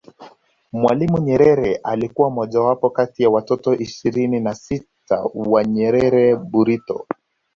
Mwalimu Nyerere alikuwa mojawapo kati watoto ishirini na sita wa Nyerere Burito